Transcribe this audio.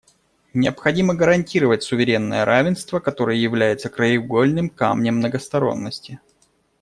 Необходимо гарантировать суверенное равенство, которое является краеугольным камнем многосторонности.